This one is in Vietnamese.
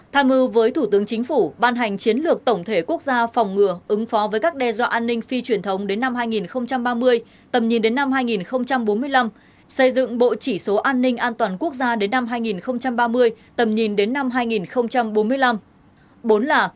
tham mưu với thủ tướng chính phủ ban hành chiến lược tổng thể quốc gia phòng ngừa ứng phó với các đe dọa an ninh phi truyền thống đến năm hai nghìn ba mươi tầm nhìn đến năm hai nghìn bốn mươi năm xây dựng bộ chỉ số an ninh an toàn quốc gia đến năm hai nghìn ba mươi tầm nhìn đến năm hai nghìn bốn mươi năm